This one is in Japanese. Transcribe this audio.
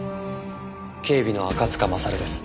警備の赤塚勝です。